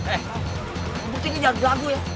eh gebukin ini jago jago ya